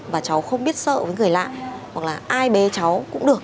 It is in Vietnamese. và cháu không biết sợ với người lạ hoặc là ai bế cháu cũng được